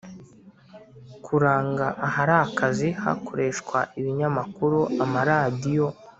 kuranga ahari akazi, hakoreshwa ibinyamakuru, amaradiyo